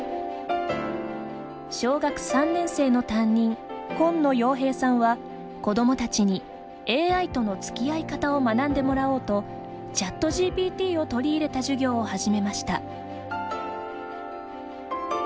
小学３年生の担任近野洋平さんは、子どもたちにＡＩとのつきあい方を学んでもらおうとＣｈａｔＧＰＴを取り入れた授業を始めました。